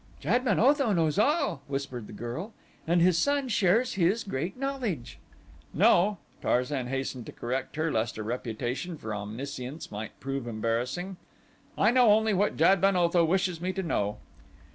"Jad ben Otho knows all," whispered the girl, "and his son shares his great knowledge." "No," Tarzan hastened to correct her lest a reputation for omniscience might prove embarrassing. "I know only what Jad ben Otho wishes me to know."